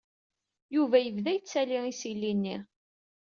Yuba yebda yettali isili-nni.